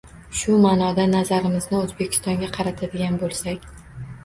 Shu ma’noda nazarimizni O‘zbekistonga qaratadigan bo‘lsak